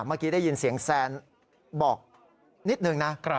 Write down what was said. เมื่อกี้ได้ยินเสียงแซนบอกนิดนึงนะ